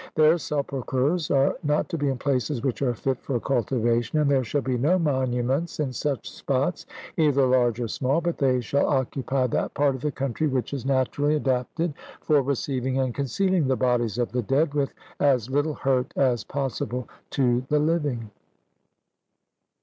Their sepulchres are not to be in places which are fit for cultivation, and there shall be no monuments in such spots, either large or small, but they shall occupy that part of the country which is naturally adapted for receiving and concealing the bodies of the dead with as little hurt as possible to the living.